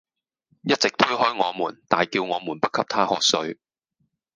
一直推開我們大叫我們不給她喝水